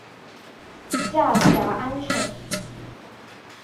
下辖安省。